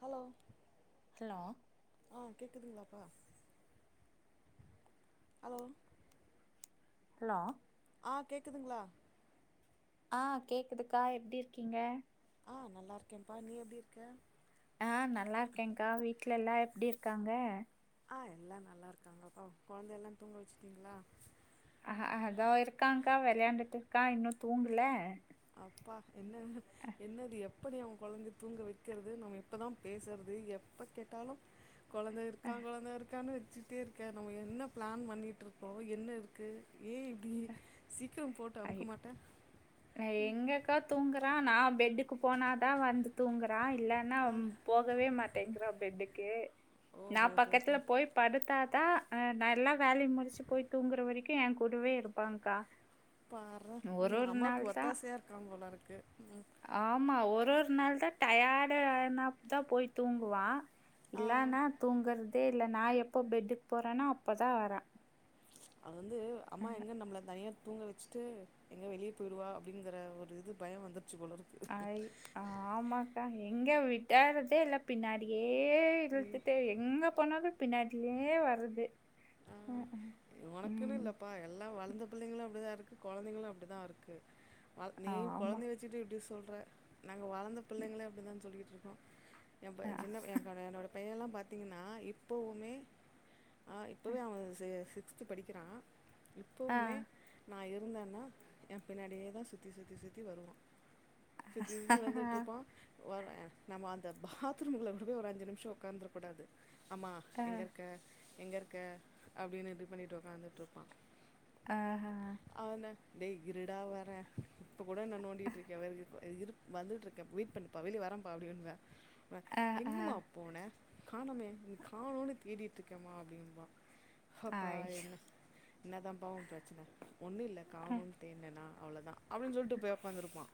Hello hello ஆஹ் கேக்குதுங்களா ப அலோ ஹலோ ஆ கேக்குதுங்ளா ஆ கேக்குதுக்கா எப்டி இருக்கீங்க ஆ நல்லா இருக்கேன்ப்பா நீ எப்டி இருக்க ஆ நல்லா இருக்கேன்கா வீட்டுல எல்லா எப்டி இருக்காங்க ஆ எல்லா நல்லாருக்காங்கப்பா கொழந்தையல்லா தூங்க வெச்சுட்டிங்ளா அ ஹ தோ இருக்காங்கா வெளையாண்டுட்டு இருக்கா இன்னு தூங்குல அப்பா என்ன என்னது எப் எப்படி அவங்க கொழந்தைய தூங்க வெக்றது நம்ம எப்பதா பேசுறது எப்ப கேட்டாலு கொழந்த அஹ் இருக்கான் கொழந்த இருக்கான்னு டிச்சிட்டே இருக்க நம்ம என்ன பிளான் பண்ணிட்ருக்கோ என்ன இருக்கு ஏ இப்டி சி க்ரம் போட்டு அமுக்க ஐயோ மாட்ட நா எங்கக்கா தூங்குறா நா பெட்டுக்கு போனாதா வந்து தூங்க தா இல்லன்னா ஆ ம் போகவே மாட்டேங்றா பெட்டுக்கே நா ஓஹோ ஹோ ஹோ பக்கத்துல போய் படுத்தாதா அஹ் நா எல்லா வேல முறிச்சு போய் தூங்குற வரைக்கு என் கூடவே இருப்பாங்க்கா பார்றா ம் அம்மாக்கு ஒத்தாசையா இருக்கா போலருக்கு ம் நாள்தா டயாடு ஆனா தா போய் தூங்குவா ஆ இல்லனா தூங்கற தே இல்ல நா எப்போ பெட்டுக்கு போறன்னோ அப்போதா வரா அது வந்து அம்மா எங்கே நம்ள தனியா தூங்க வெச்சுட்டு எங்க வெளியே போயிடுவா அப்டிங்கிற ஒரு இது பயொ வந்துடுச்சு போல இருக்கு அய் ஆமாக்கா எங்க விடறதே இல்ல பின்னாடியே ஏ இழுத்து டே எங்க போனாலு பின்னாடிலயே வருது ஆ அஹ், அஹ். உனக்குன்னு உம் இல்லப்பா எல்லா வளந்த புள்ளைங்களு அப்படிதா இருக்கு கு கொழந்தைங்களு அப்டிதா இருக்கு ஆ நீயும் ஆமா கொழந்தைய வெச்சுட்டு இப்டி சோ சொல்ற நாங்க வளந்த பிள்ளைங்களே அப்படிதா சொல்லிகிட்டுருக்கோ என் பைய அஹ், சின்ன பைய இருக்கானே என்னோட பையல்லா பாத்தீங்ன்னா இப்பவுமே பவே அவ சே சிக்ஸ்த் து படிக்குரா இப்பவுமே அஹ், அஹ், நான் இரு இருந்தான்னா என் பின்னாடியே தான் சுத்தி சுத்தி சுத்தி வருவான் சுத்தி சுத்தி வந்துட்டு இருப்பான் வ நம்ம அந்த பாத்ரூம்குள்ள கூட போய் ஒரு அஞ்சு நிமிஷம் உட்காந்தரக் கூடாது அம்மா எங்க அஹ், அஹ், இருக்க எங்க இருக் க அப்டின்னு இப்டி பண்ணிட்டு உக்காந்துட்டுருப்பான் ஆஹ்ஹ் டேய் இருடா வரன் இப்ப கூட நான் நோண்டிட்டு இருக்கன் இரு வந்துட்டு இருக்கேன் வெய்ட் பண்ணுப்பா வெளிய வரம்பா அப்டீன்ற அஹ், எங்கம்மா அஹ், போன காணமே நீ காணோனு தேடிட்டு இருக்கேமா அப்படிம்பான் அப்பா ஐ, என்ன என்னதான் பா உன் பிரச்சனை ஒன்னும் இல்ல அஹ், கானோன்னு தேடுனனா அவ்ளோதான் அப்டின்னு சொல்லிட்டு போய் உட்காந்துருப்பான்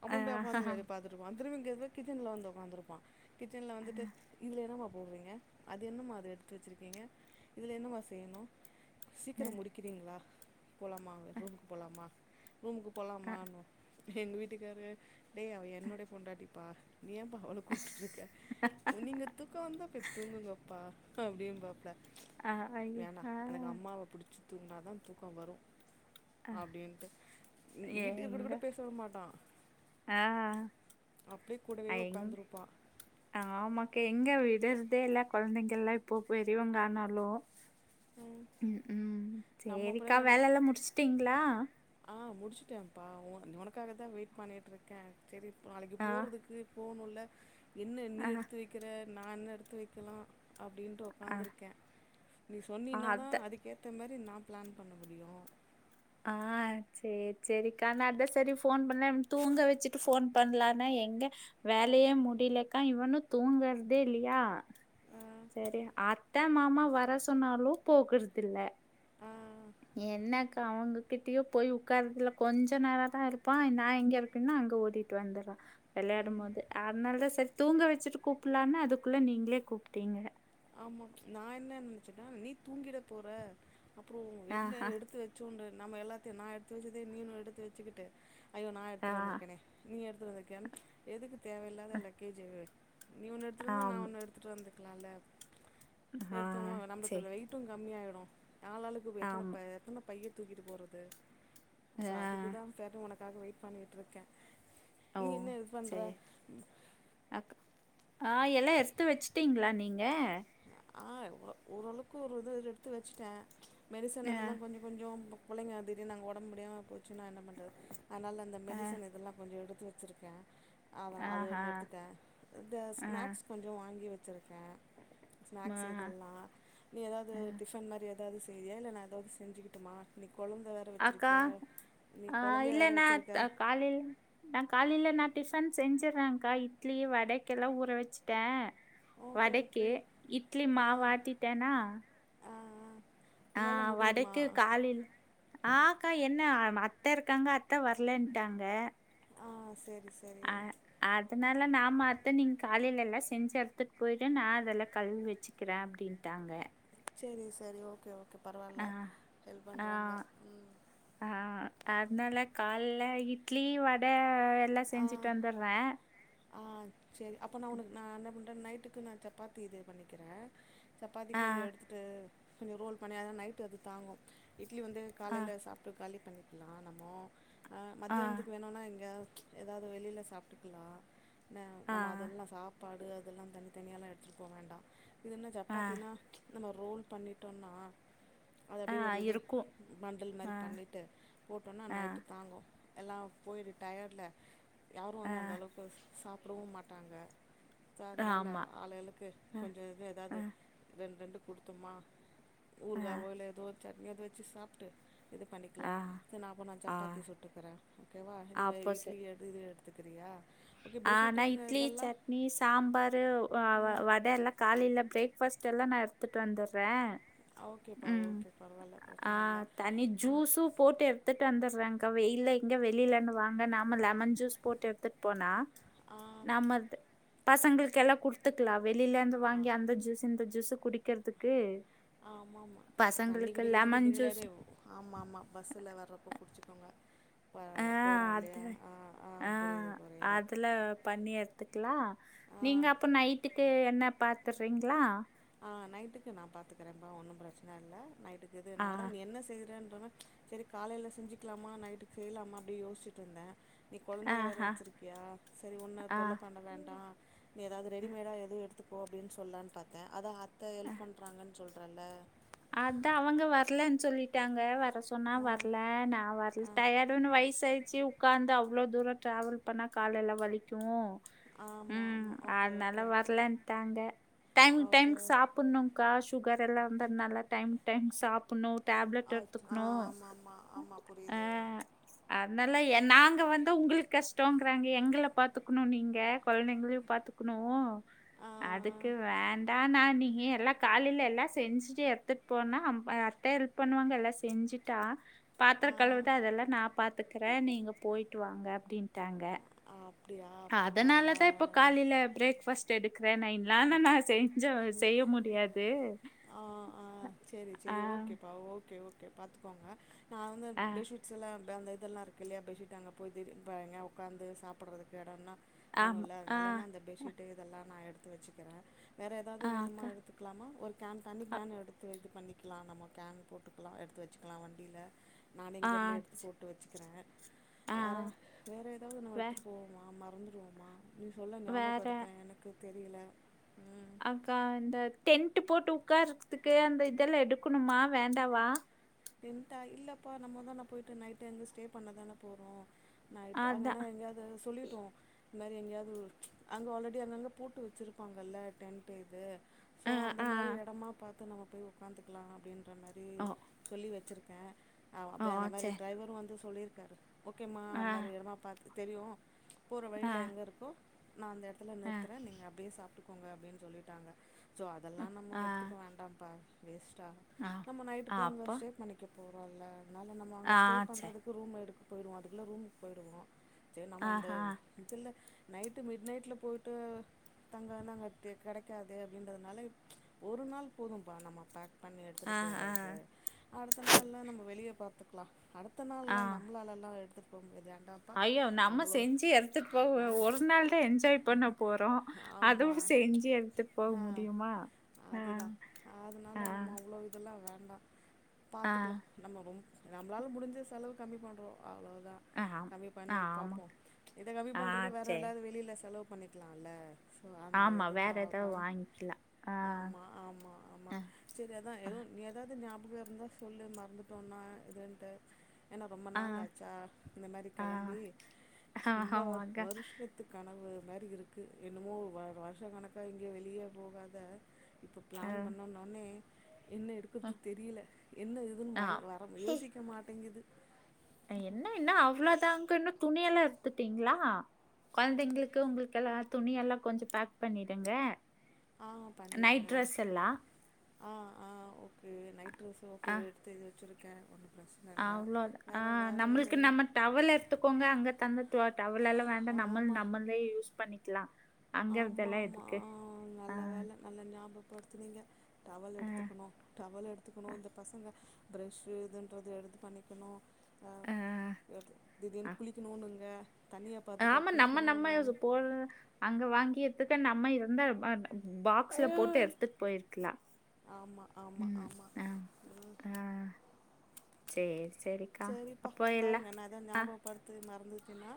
அப்புற போய் அஹ், அஹ், உட்காந்து வெளிய பாத்துட்ருப்பான் [unintelligible] கிச்சன்ல வந்து உட்காந்துருப்பான் கிச்சன்ல வந்துட்டு இல்லன்னா போடுறீங்க அது என்னமா அதை எடுத்து வெச்சுருக்கீங்க இதுல என்னமா செய்யணும் சீக்கிரம் முடிக்கிறீங்களா போலாமா அங்க ரூம்க்கு போலாமா ரூம்க்கு போலாமான்னுவா எங்க வீட்டுக்காரு டேய் அவ என்னுடைய பொண்டாட்டி ப நீ ஏன்ப்பா அவள கூப்டுட்டு இருக்க நீங்க தூக்கம் வந்தா போய் தூங்குங்கப்பா அப்படியும் பாப்பல ஆஹ் அய்ம ஆஹ் தூங்குனா தான் தூக்கம் வரும் அஹ், அப்டின்ட்டு வீட்டுக்கார்ட்ட கூட பேச விட மாட்டான் ஆஹ் அப்படியே கூடவே அய் உட்காந்துருப்பான் ஆமாக் எங்க விடற்தே இல்ல கொழந்தைங்கெல்ல இப்போ பெரியவங்க ஆனாலு ம் ம் நம்ம அப்புறம் சேரிக்கா என்ன ப- வேல லா முடிச்சிட்டீங்களா ஆ முடிச்சுட்டேன்ப்பா உனக்காக தா வெயிட் பண்ணிட்டுருக்க தெரித் நாளைக்கு ஆ போறதுக்கு போனோல் ல என்ன நீ ஆ எடுத்து வெய்க்குற நா என்ன எடுத்து வெய்க்கலா அப்டின்ட்டு ஆ ஒக்காந்துருக்க நீ சொன்னீனதா அத அதுக்கேத்த மேர் நா பிளான் பண்ண முடியு ஆஹ் செரி செரிக்கா நா அத சரி போன் பண்ல தூங்க வச்சிட்டு போன் பண்ணலானே எங்க வேலையே முடிலேக்கா இவனு தூங்கற்தே இல்லையா ஆ சரி அத்த மாமா வர சொன்னாலு போகுறதில்ல ஆ என்னக்கா அவங்ககிட்டயோ போய் உட்காறதுல கொஞ்ச நேரதா இருப்பா நா எங்க இருக்குன்னா அங்க ஓடிட்டு வந்துறா வெளையாடும் போது அத்னால்தா சரி தூங்க வச்சிட்டு கூப்புட்லான்னா அதுக்குள்ள நீங்களே கூப்ட்டீங்க ஆமா நா என்ன நெனச்சன்னா நீ தூங்கிட போற அப்புறோ என்ன ஆஹா எடுத்து வெச்சோன்ர நம்ம எல்லாத்தையு நா எடுத்து வெச்சதே நீயு நானு எடுத்து வெச்சிக்கிட்டு ஐயோ நா ஆ எடுத்துட்டு வந்துருக்கேனே நீ எடுத் [unintelligible] தேவ இல்லாத லக்கேஜ நீ ஓன்னு எடுத்துட்டு வந்தா நா ஆம் ஓன்னு எடுத்துட்டு வந்திருக் கலால ஆ எடுத்தோனோ நம்மளுக்கு சரி வெயிட்டு கம்மியாயிருக் அஹ் ஆளாளுக்கு எத்தன ஆமா பே எத்தனப் பைய த்தூகிட்டு போறது சோ ஆ அதுக்குதா [unintelligible] ஒனக்கு காக வெயிட் பண்ணிட்டுருக்கே ஓ நீ என்ன இது பண்ற ஆஹ் எல்லா எடுத்து வச்சிட்டீங்களா நீங்க ஆஹ் ஒ ஓரளவுக்கு ஒரு இது எடுத்து வச்சிட்ட மெடிசன் ஆ இதெல்லா கொஞ்சோ கொஞ்சோ புள்ளைங்க திடீர்னு அங்க ஒடம்முடியாம போச்சினா என்ன பண் அதனால அந்த ஆ மெடிசன் இதெல்லா கொஞ்சோ எடுத்து வச்சிருக்கே அதா அது ஆஹா ஒன்னு எடுத்துட்டே இந்த ஆ ஸ்நாக்ஸ் கொஞ்சோ வாங்கி வச் வெச்சுருக்க ஆ ஸ்நாக்ஸ் இதெல்லா நீ ஏதாவது ஆ. டிபன் மாரி ஏதாவது செய்றியா இல்ல நா ஏதாவது செஞ்சுகிட்டுமா இன் அக்கா அ கொழந்தைய இல்ல வேற நா வச்சுருக்க க காலில நா காலில நா டிஃபன் செஞ்சிர்றேக்கா இட்லி வடக்கெல்லா ஊற வச்சுட்டே ஓகே ஓகே வடைக்கு இட்லி ஆ மாவு அட்டிட்டேனா ஆ ஆ ஆ உன்னால முடியுமா வடைக்கு காலில ஆஹ் க்கா என்ன அத்த இருக்காங்க அத்த வரலன்னட்டாங்க ஆ செரி அ அதுனால நா மாத்த நீங்க காலேலல்லா செஞ்சு எடுத்துட்டு போயிட்டு நா அதெல்லா கழுவி வெச்சுக்கிறே அப்டின்ட்டாங்க செரி செரி ஓகே ஓகே க்கு ஆ பரவால்ல ஹெல்ப் ஆ பண்ணறாங்க ம் ஆ அதனால கால்லே இட்லி வட எல்லா ஆ செஞ்சுட்டு வந்துட்றே ஆ செரி அப்போ நா உனக் நா என்ன பண்றே நைட் ட்டுக்கு நா சப்பாத்தி இது பண்ணிக்கிறே சப்பாத்தி ஆ கொஞ்சோ எடுத்துட்டு கொஞ்சோ ரோல் பண்ணி அது நைட் அது தாங்கு இட்லி வந்து ஆ காலேல சாப்ட்டு காலி பண்ணிக்கலா நம்மோ அ ஆ மத்யான்துக்கு வேணுனா இங்க ஏதாவது வெளில சாப்டுகலா ன்ன ஆ நம்ம அதெல்லா சாப் பாடு அதெல்லா தனித்தனியால எடுத்துட்டு போ வேண்டா இதுன்ன ஆ சப்பாத்தினா நம்ம ரோல் பண்ணிட்டோனா அது ஆ அப்டியே ஒரு இது இருக்கும். பண்டல் மாரி ஆ பண்ணிட்டு போட்டோனா ஆ நைட்டு தாங்கு எல்லா போய்டு டையர்ட்ல யாரு ஆ வந்து அந்த அளவுக்கு ச சா ரோ மாட்டாங்க சோ அதுனால ஆமா. ஆளாளுக்கு அ கொஞ்சோ இது அ ஏதாது ரெண்டு ரெண்டு குடுத்துமா ஆ ஊருகா போல ஏதோ சட்னியாவது வச்சு சாப்டு இது ஆ பண்ணிக்கலாம் இ நான் அப்போ ஆ சப்பாத்தி சுட்டுக்குற எடு எடு கத்துக்கிறியா ஆ நா இட்லி, சட்னி, சாம்பாரு வ வ வட எல்லா காலையில பே ஃபர்ஸ்ட் எல்லா நா எடுத்துட்டு வந்துற. ஆ ஓகேப்பா ம் ஓகே பரவாயில்ல ஆ பிரச்சனை இல்லை தனி ஜூஸும் போட்டு எடுத்துட்டு வந்துடுறங் அ வெயில எங்க வெளிலென்ன வாங்க நாம லெமன் ஜூஸ் போட்டு எடுத்துட்டு போனா. ஆ நம்மல்து பசங்குள்க்கு எல்லா குத்துக்கலா வெளிலனு வாங்கி அந்த ஜூஸு இந்த ஜூஸு குடிக்கர்துக்கு ஆமா ஆமா தண்ணி குடிக்கிறதுக்கு லெமன் ஜூஸ் திங்களாவே ஆமா ஆமா பஸ்ஸுல வர்றப்போ குட்ச்சிக்கோங்க அ அத அ புரியுது புரியுது அதுல பண்ணி எட் த்துக்கலா ஆ நீங்க அப்ப நைட்டுக்கு என்ன பாத்துடுறீங்களா ஆ நைட்டுக்கு நா பாத்துக்கிறேன்ப்பா ஒன்னு ப்ரச்சன இல்ல நைட் எது ஆ நா தா என்ன செய்றன் சரி காலைல செஞ்சுக்லாமா நைட்டு செய்லாமா அப்டின் யோஸ்ச்சிட்டு இருந்த நீ கொழந்தைய வேற ஆஹா வச்சிருக்கியா சரி உன்ன ஆ தொல்ல பண்ண வேண்டா நீ எதாவ்து ரெடிமேடா எதுவு எடுத் போ அப்டின் சொல்லான்னு பாத் அதா அத்த ஹெல்ப் பண்றாங்கன் சொல்றல்ல அதா அவங்க வரலன் சொல்லிட்டாங்க வர் சொன்னா ஆ வர்ல நா வர்ல ஆ டயடுன்னு வய்சாயி ச்சி உக்காந்து அவ்ளோ தூரோ ட்ராவல் பண்ணா கால் எல்லா வலிக்கு ஆமா ம் ஆமா ஓகே அதனாலா ஓகே வரலன்டாங்க டைமுக்கு ஓகே டைமுக்கு சாப்பணும்க்கா சுகர் எல்லா வந்த நல்லா டைமுக் டைம் சாப்பனு டேப்லெட் ஆ ஆ எடுத்துக்னு ஆமா ஆமா ஆமா அ புரியுது அதனால எ நா ங்க வந்தா உங்களுக்கு கஷ்டங்கறாங்க எங்கள பாத்துக்கணு நீங்க கொழந்தைங்களையு பாத்துக்கணு ஆ அதுக்கு வேண்டா நா நீ நீ எல்லா காலைல எல்லா செஞ்சுட்டு எ த்துட் போனா அ அத்த ஹெல்ப் பண்ணுவாங்க எல்லா செஞ்சுட்டி பாத்திர ஆ கழுவறது அதெல்லா நா பாத்துக்கற நீங்க போயிட்டு வாங்க அப்டின்ட்டாங்க ஆ அப்படியா அப்போ அதனாலதா இப்ப பரவால்ல காலில பிரேக்ஃபாஸ்ட் எடுக்றே நா இ நானா நான் செஞ்சா செய்ய முடியாது செரி ஆ செரி ஓகேப்பா ஓகே ஓ கே பாத்துகோங்க நா வந்து ஆ பெட்ஷீட்ஸ் எல்லா இப்ப அந்த இதெல்லா இருக்கல்லயா பெட்ஷீட்டு அங்க போய் இது [unintelligible] உக்காந்து சாப்டறதுக்கு எடோனா ஆமா வேணுல்ல ஆ அதனால நா அந்த பெட்ஷீட்டு இதெல்லா நா வெச்சி க்கிற வேறு எதாவது ஆ வேணுமா அக்கா எடுத்துக்கலாமா ஒரு கேன் தண்ணி ஆ கேன் எடுத்து இது பண்ணி வெக்கலா நம்ம கேன் போட்டுக்கலா எடுத்து வெச்சுக்கலா வண்டில நானு ஆ, இங்கேர்ந்து எடுத்து போட்டு வெச்சுக்கிறே ஆ வேற வேற எதாவது நம்ம வே எடுத்துட்டு போவோம்மா நம்ம வந்துருவோமா நீ சொல்லெ வேற ஞாபகப்படுத்தே எனக்கு தெரில அக்கா இந்த டென்ட் போட்டு உக்காறதுக்கு அந்த இதெல்லா எடுக்கணுமா வேண்டாவா டென்டா இல்லப்பா நம்மதான போயிட்டு நைட்டு அங்க ஸ்டே பண்ணதான போறோ நைட்டு அங்கனா அதான் எங்கயாது சொல்லிட்டுவோ இதுமாரி எங்கயாது அங்க ஆல்ரெடி அங்கங்க போட்டு வெச்சுருப்பாங்கல்ல டென்ட்டு இது சோ ஆ அந்த ஆ மாரி எடமா பாத் து நம்ம போய் உக்காந்துக்கலா அப்டின் ற மாரி ஓ வெச்சிருக்கே ஆ அது ஓ அந்த மாரி சரி டிரைவரு வந்து சொல்லி டாரு ஓகேமா ஆ அது மாரி எடமா பாத் தெரியு போற ஆ வழில எங்கருக்கோ நா அந்த எடத்துல ஆ நிறுத்துற நீங்க அப்டியே சாப்ட்டு கோங்க அப்டின் சொல்லிட்டாங்க சோ அதெலா நம்ம ஆ ஆ எடுத்துக்க வேண்டாம்ப்பா வேஸ்ட் டா ஆ நம்ம நைட்டு நாங்க அப்போ ஸ்டே பண்ணிக்கிற் போறல்ல அதல நம்ம அங்கே ஆ ஸ்டே சரி பண்ணுறதுக்கு ரூம் எடுக் போயிடுவோ அதுக்குள்ள ரூமுக்கு போயிடுவோ நம்ம இந்த ஆஹா இதுல நைட்டு மிட் நைட்டில்ல போயிட்டு தங்க வந்தாங்கே கெடைக்காது அப்டின்றதுனால ஒரு நாள் போதும்பா நம்ம பேக் பண்ணி எடுத்துட்டு ஆ ஆ போறதுக்கு அடுத்த நாள் தா நம்ம வெளிய பாத்துக்கலா அடுத்த ஆ நாள்லா நம்மளால எடுத்து [unintelligible] ஐயோ நம்ம செஞ்சு எடுத்துட்டு போக ஆ ஒரு நாள் தா என்ஜாய் பண்ண போறோ ஆமா அதுவு செஞ்சு எடுத்துட்டு போக ஆ முடியுமா ஆஹ் அதுதான் ஆஹ் ஹ பாத்துக்கலா நம்ம ரொம் நம்மளால முடிஞ்ச செலவு கம்மி பண்றோ அவ்வளோ தா ஆ கம்மி பண்ணி ஆமா பாப்போ இத கம்மி ஆ பண்ணுறது வேறு சரி எதாது வெளியில செலவு பண்ணிக்கலால சோ அந்த ஆமா வேற இதுதா கா ஏதாவது வாங்கிக்கலாம் ஆ ஆமா ஆமா ஆமா ஆ சேரி அதா எதோ எதாவ்துநா அ இருந்தா சொல்லு மறந்துட்டோன்னா இதுன்ட்டு ஏன்னா ரொம்ப ஆ நாள் ஆச்சா இந்த மாரி ஆ கெளம்பி ஆ ரொம்ப ஆமாங்க வருஷத்து கனவு மாரி இருக்குது என்னமோ வ வருஷ கணக்காக எங்கேயு வெளிய போகாத இப்போ ஆ பிளான் பண்ணோனோனே என்ன ஆ எடுக்குறது தெரியல என்ன இதுன்னு ஆ. மைண்ட் வர யோசிக்க மாட்டிங்குது துணியெல்லா எடுத்துட்டிங்களா கெழந்திங்களுக்கு உங்களுக்கெல்லா துணியெல்லா கொஞ்சோ பேக் பண்ணிடுங்க ஆஹ் பண்ணிட்டே நைட் ட்ரெஸ் எல்லாம் டிரஸ் ஓகேவா எடுத்தது வெச்சுருக்க அவ்ளோ ஆஹ் நம்மளுக்கு வேற நம்ம டவல்ல எடுத்துக்கோங்க அங்க தந்தது டவென்ல்லெல்லா வேண்டா நம்ம ஆமா நம்மள்தே யூஸ் பண்ணிக்கலா ஆமா ஆமா நல்ல வேல நல்ல ஞாபக படுத்துனீங்க டவல் ஆ எடுத்துக்கணு டவல் எடுத்துக்கணு ஆ இந்த பசங்க பிரஷ் சு இதுன்றது எடுத்து பண்ணிக்கணு ஆஹ் ஆ எடுத் ஆ திடீர்னு குளிக்கணுனுங்க ஆமா நம்ம நம்ம யோசி போ அங்க வாங்கியதுக்கு நம்ம இருந்தா [unintelligible] பாக்ஸ்ல ஆ போட்டு எடுத்துட்டு போயிருக்கலாம் ஆமா ஆமா உம் ஆமா ஆஹ் ம் ஆஹ் சேர் சரிப்பா பாருங்க நான் ஏதாது ஆ ஞாபகப்படுத்து மறந்து சுனா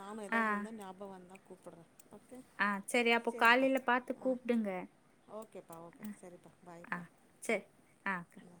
நாம ஏதாது வந்தா ஞாபகம் வந்தா கூப்புட்றே ஓகே ஆஹ் சரி அப்போ சரிப்பா காலேல பாத்து ஆ கூப்டுங்க ஓகேப்பா ஓகே அஹ் சரிப்பா பாய்ப்பா ஆஹ் சரி பாய் ஆஹ்